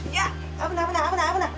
危ない危ない危ない危ない！